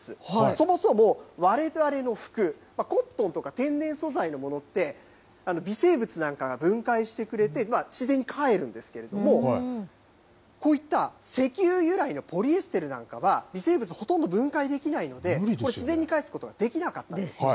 そもそもわれわれの服、コットンとか天然素材のものって、微生物なんかが分解してくれて、自然に返るんですけども、こういった石油由来のポリエステルなんかは、微生物、ほとんど分解できないので、自然に返すことができなかったんです。